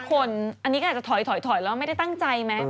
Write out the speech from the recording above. อันนี้ก็อาจจะถอยแล้วไม่ได้ตั้งใจไหม